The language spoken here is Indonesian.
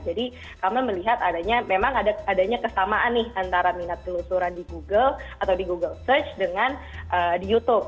jadi kami melihat adanya memang adanya kesamaan nih antara minat penelusuran di google atau di google search dengan di youtube